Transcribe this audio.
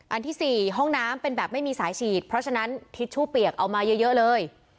ที่๔ห้องน้ำเป็นแบบไม่มีสายฉีดเพราะฉะนั้นทิชชู่เปียกเอามาเยอะเลย